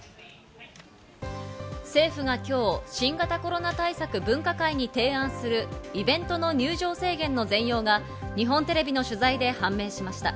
政府が今日、新型コロナ対策分科会に提案するイベントの入場制限の全容が日本テレビの取材で判明しました。